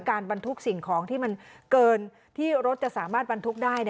บรรทุกสิ่งของที่มันเกินที่รถจะสามารถบรรทุกได้